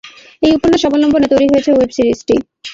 এই উপন্যাস অবলম্বনে তৈরি হয়েছে ওয়েব সিরিজটি।